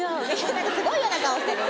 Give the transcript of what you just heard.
何かすごい嫌な顔してる！